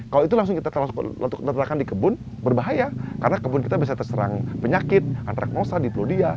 kalau itu langsung kita letakkan di kebun berbahaya karena kebun kita bisa terserang penyakit antaragnosa diplodia